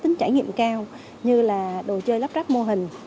tính trải nghiệm cao như là đồ chơi lắp ráp mô hình